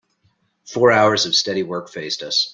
Four hours of steady work faced us.